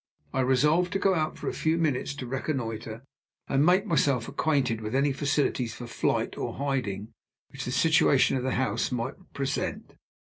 I resolved to go out for a few minutes to reconnoiter, and make myself acquainted with any facilities for flight or hiding which the situation of the house might present.